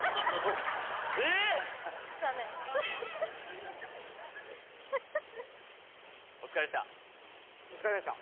えっ⁉お疲れさまでした。